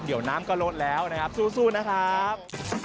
เดี๋ยวน้ำก็ลดแล้วนะครับสู้นะครับ